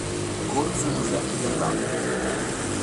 Corso Giuseppe Garibaldi